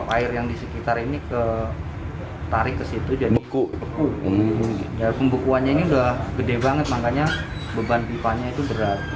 pembukuannya ini sudah besar banget makanya beban pipanya itu berat